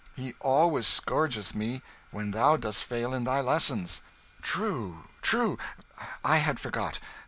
He always scourgeth me when thou dost fail in thy lessons." "True, true I had forgot.